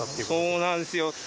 そうなんですよ。